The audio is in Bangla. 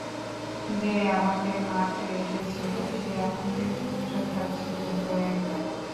যে আমাকে মারতে এসেছিলো, সে আমাকে তুচ্ছতাচ্ছিল্য করে গেলো!